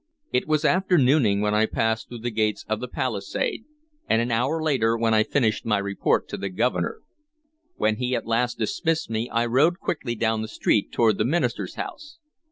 It was after nooning when I passed through the gates of the palisade, and an hour later when I finished my report to the Governor. When he at last dismissed me, I rode quickly down the street toward the minister's house.